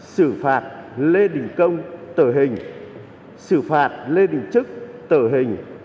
sử phạt lê đình công tở hình sử phạt lê đình trức tở hình